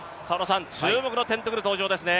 注目のテントグル、登場ですね。